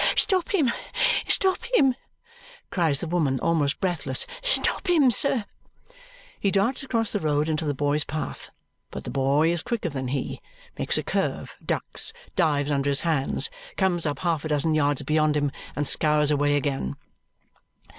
"Stop him, stop him!" cries the woman, almost breathless. "Stop him, sir!" He darts across the road into the boy's path, but the boy is quicker than he, makes a curve, ducks, dives under his hands, comes up half a dozen yards beyond him, and scours away again.